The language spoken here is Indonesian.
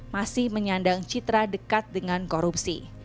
masih menyandang citra dekat dengan korupsi